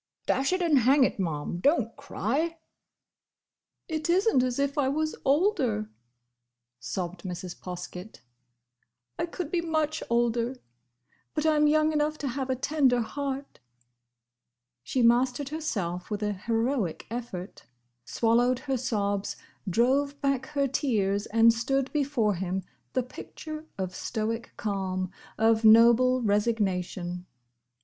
"Dash it and hang it, Ma'am, don't cry!" "It is n't as if I was older," sobbed Mrs. Poskett. "I could be much older! But I'm young enough to have a tender heart!" She mastered herself with an heroic effort; swallowed her sobs; drove back her tears; and stood before him, the picture of stoic calm, of noble resignation.